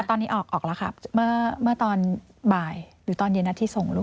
ตอนนี้ออกแล้วค่ะเมื่อตอนบ่ายหรือตอนเย็นนัดที่ส่งลูก